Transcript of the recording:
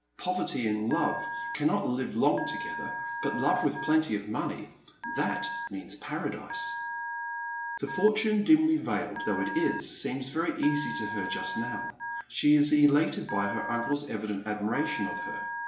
Poverty and love cannot live long together ; but love with plenty of money — that means paradise." The future, dimly veiled though it is, seems very easy to her just now. She is elated by her uncle's evident admiration of her.